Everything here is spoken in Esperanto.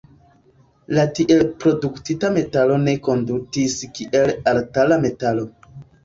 La tiel produktita metalo ne kondutis kiel alkala metalo.